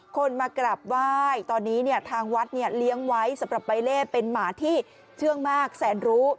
คนมากราบไหว้ตอนนี้เนี่ยทางวัดเนี่ยเลี้ยงไว้สำหรับใบเล่เป็นหมาที่เชื่องมากแสนรู้